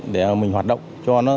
để mình hoạt động cho các nhà nước